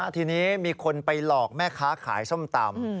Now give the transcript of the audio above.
ทีนี้มีคนไปหลอกแม่ค้าขายส้มตำ